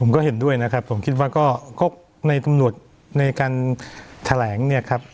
ก็เห็นด้วยนะครับผมคิดว่าก็ในตำรวจในการแถลงเนี่ยครับ